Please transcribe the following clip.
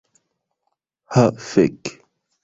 Ha fek'